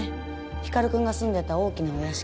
光くんが住んでた大きなお屋敷。